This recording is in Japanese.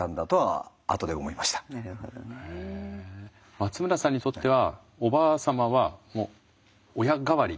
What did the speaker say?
松村さんにとってはおばあ様はもう親代わり？